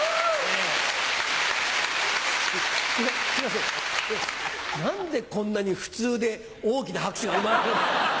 すいません何でこんなに普通で大きな拍手が生まれるの？